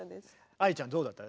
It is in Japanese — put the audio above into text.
愛理ちゃんどうだった？